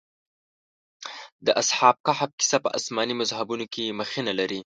د اصحاب کهف کيسه په آسماني مذهبونو کې مخینه لري.